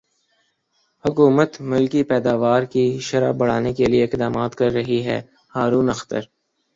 حکومت ملکی پیداوار کی شرح بڑھانے کیلئے اقدامات کر رہی ہےہارون اختر